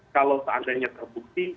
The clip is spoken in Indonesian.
kalau seandainya terbukti